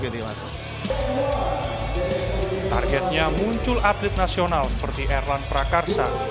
targetnya muncul atlet nasional seperti erlan prakarsa